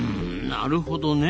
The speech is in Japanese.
なるほどねえ。